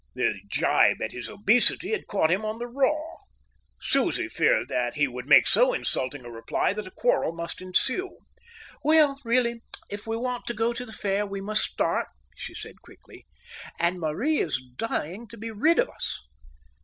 The gibe at his obesity had caught him on the raw. Susie feared that he would make so insulting a reply that a quarrel must ensure. "Well, really, if we want to go to the fair we must start," she said quickly. "And Marie is dying to be rid of us."